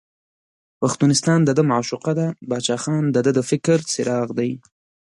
پښتونستان دده معشوقه ده، باچا خان دده د فکر څراغ دی.